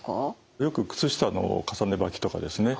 よく靴下の重ねばきとかですね